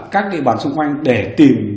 các địa bàn xung quanh để tìm